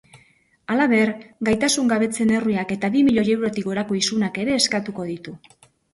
Halaber, gaitasungabetze neurriak eta bi milioi eurotik gorako isunak ere eskatuko ditu.